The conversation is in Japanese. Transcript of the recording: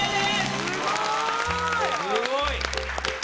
すごい！